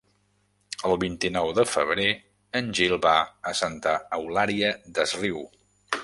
El vint-i-nou de febrer en Gil va a Santa Eulària des Riu.